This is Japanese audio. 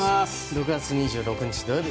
６月２６日土曜日